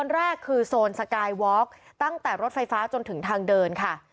รถไฟฟ้าจนถึงทางเดินค่ะ